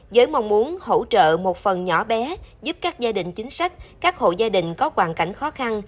giới mong muốn hỗ trợ một phần nhỏ bé giúp các gia đình chính sách các hộ gia đình có hoàn cảnh khó khăn